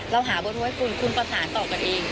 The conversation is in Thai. เราหาบนไว้คุณคุณประสานต่อกันเอง